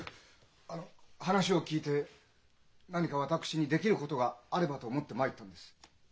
あの話を聞いて何か私にできることがあればと思って参ったんです。